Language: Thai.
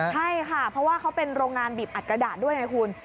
ใช่ค่ะเพราะว่าเขาเป็นโรงงานบีบอัดกระดาษด้วยไงคุณ